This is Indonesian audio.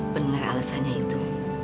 bener alasannya itu